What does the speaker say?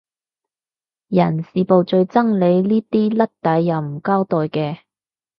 人事部最憎你呢啲甩底又唔交代嘅